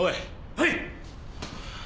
はい！